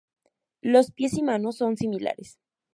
Los pies y manos son similares.